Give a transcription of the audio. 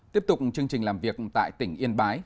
tiếp tục chương trình làm việc tại tỉnh yên bái